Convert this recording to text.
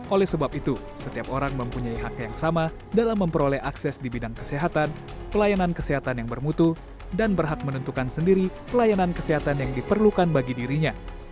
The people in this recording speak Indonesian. oleh sebab itu setiap orang mempunyai hak yang sama dalam memperoleh akses di bidang kesehatan pelayanan kesehatan yang bermutu dan berhak menentukan sendiri pelayanan kesehatan yang diperlukan bagi dirinya